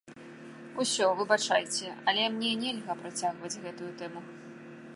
Усё, выбачайце, але мне нельга працягваць гэтую тэму.